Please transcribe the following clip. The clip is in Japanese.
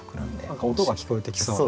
何か音が聞こえてきそうな。